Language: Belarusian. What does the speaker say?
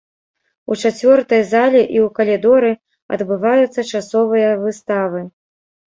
У чацвёртай залі і ў калідоры адбываюцца часовыя выставы.